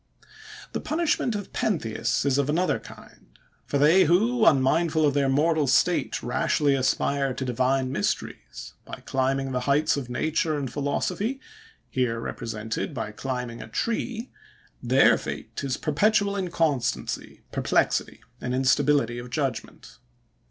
The punishment of Pentheus is of another kind; for they who, unmindful of their mortal state, rashly aspire to divine mysteries, by climbing the heights of nature and philosophy, here represented by climbing a tree,—their fate is perpetual inconstancy, perplexity, and instability of judgment.